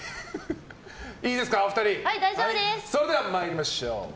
それでは参りましょう。